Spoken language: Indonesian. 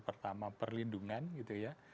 pertama perlindungan gitu ya